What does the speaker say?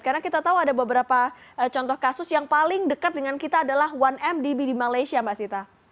karena kita tahu ada beberapa contoh kasus yang paling dekat dengan kita adalah satu mdb di malaysia mbak sita